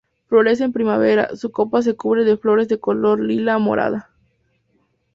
Florece en primavera; su copa se cubre de flores de color lila a morada.